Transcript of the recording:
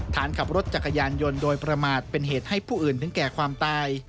ฐานขับรถจักรยานยนต์โดยประมาทเป็นเหตุให้ผู้อื่นถึงแก่ความตาย